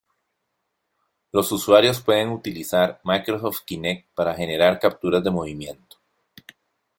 Los usuarios pueden utilizar Microsoft Kinect para generar capturas de movimiento.